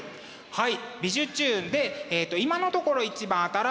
はい。